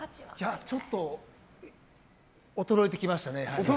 ちょっと、衰えてきましたね。